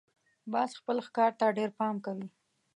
باز خپل ښکار ته ډېر پام کوي